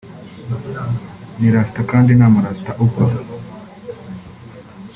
ni Rasita kandi nta murasita upfa